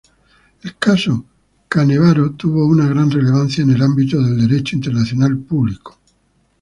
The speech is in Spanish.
El Caso Canevaro tuvo una gran relevancia en el ámbito del Derecho internacional público.